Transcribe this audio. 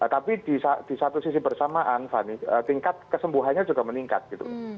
tapi di satu sisi bersamaan fani tingkat kesembuhannya juga meningkat gitu